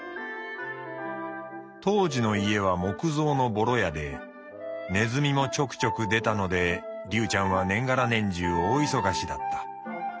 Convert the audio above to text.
当時の家は木造のボロ屋でネズミもちょくちょく出たのでリュウちゃんは年がら年じゅう大忙しだった。